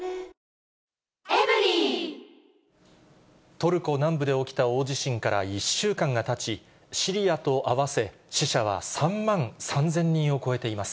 トルコ南部で起きた大地震から１週間がたち、シリアと合わせ、死者は３万３０００人を超えています。